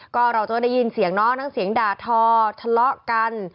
ก็เราจะได้ยินเสียงเนาะทั้งเสียงด่าทอทะเลาะกัน